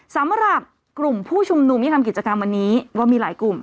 สำหรับกลุ่มผู้ชุมนุมที่ทำกิจกรรมวันนี้ว่ามีหลายกลุ่ม